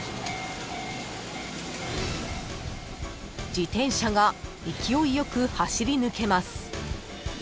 ［自転車が勢いよく走りぬけます］